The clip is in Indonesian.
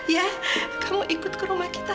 ya kamu ikut ke rumah kita